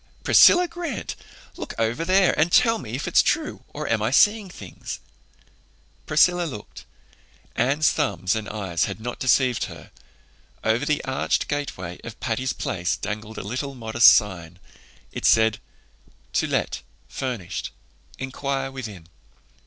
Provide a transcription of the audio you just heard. Priscilla Grant, look over there and tell me if it's true, or am I seein' things?" Priscilla looked. Anne's thumbs and eyes had not deceived her. Over the arched gateway of Patty's Place dangled a little, modest sign. It said "To Let, Furnished. Inquire Within."